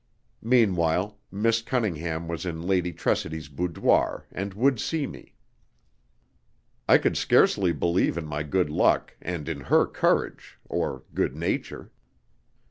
Meanwhile, Miss Cunningham was in Lady Tressidy's boudoir, and would see me. I could scarcely believe in my good luck, and in her courage or good nature.